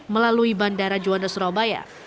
melalui bandara juanda surabaya